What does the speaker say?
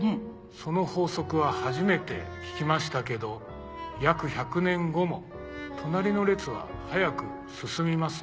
その法則は初めて聞きましたけど約１００年後も隣の列は早く進みますね。